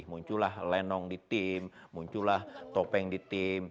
munculah lenong di tim munculah topeng di tim